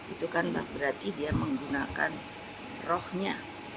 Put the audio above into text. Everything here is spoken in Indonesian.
itu kan berarti dia menggunakan rohnya